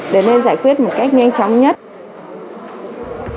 để nên giải quyết một cách nhanh chóng nhất